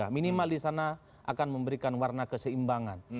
minimal di sana akan memberikan warna keseimbangan